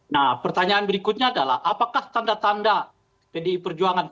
nah pertanyaan berikutnya adalah apakah tanda tanda pdi perjuangan